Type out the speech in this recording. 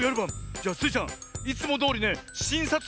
じゃあスイちゃんいつもどおりねしんさつ